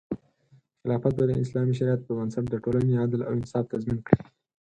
خلافت به د اسلامي شریعت په بنسټ د ټولنې عدل او انصاف تضمین کړي.